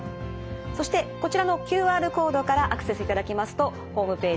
そしてこちらのＱＲコードからアクセスいただきますとホームページ